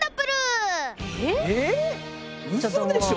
うそでしょ。